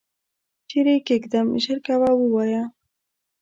چیري یې کښېږدم ؟ ژر کوه ووایه !